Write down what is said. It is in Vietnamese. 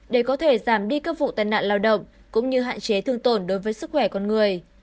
để có thể giảm đi các vụ tai nạn lao động cũng như hạn chế thương tổn đối với sức khỏe con người